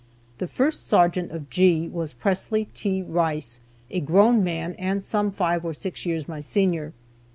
The first sergeant of G was Pressley T. Rice, a grown man, and some five or six years my senior.